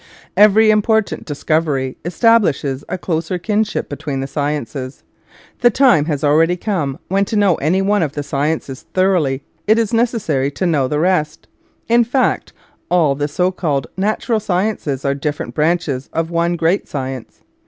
Every important discovery establishes a closer kinship between the sciences. The time has already come when to know any one of the sciences thoroughly it is necessary to know the rest; in fact, all the so called natural sciences are different branches of one great science.